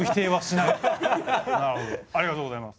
なるほどありがとうございます。